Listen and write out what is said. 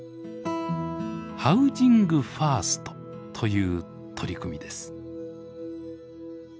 「ハウジングファースト」という取り組みです。